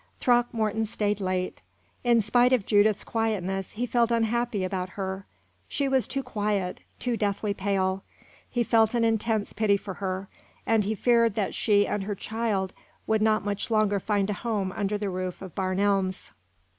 Throckmorton stayed late. In spite of Judith's quietness, he felt unhappy about her. She was too quiet, too deathly pale. He felt an intense pity for her, and he feared that she and her child would not much longer find a home under the roof of Barn Elms.